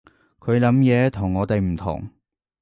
佢諗嘢同我哋唔同